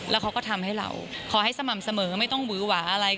แล้วเขาก็ทำให้เราขอให้สม่ำเสมอไม่ต้องหวือหวาอะไร